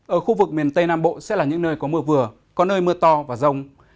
ở khu vực miền tây nam bộ sẽ là những nơi có mưa vừa có nơi mưa to và rông